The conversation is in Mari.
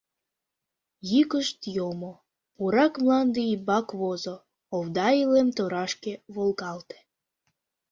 Йӱкышт йомо, пурак мланде ӱмбак возо, овда илем торашке волгалте.